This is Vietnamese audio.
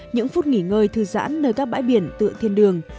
những phút nghỉ ngơi thư giãn nơi các bãi biển tựa thiên đường